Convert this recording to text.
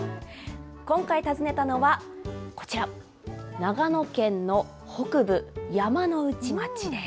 今回、訪ねたのはこちら、長野県の北部、山ノ内町です。